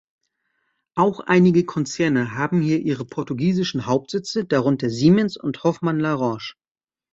Auch einige Konzerne haben hier ihre portugiesischen Hauptsitze, darunter Siemens und Hoffmann-La Roche.